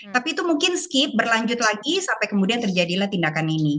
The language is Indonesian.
tapi itu mungkin skip berlanjut lagi sampai kemudian terjadilah tindakan ini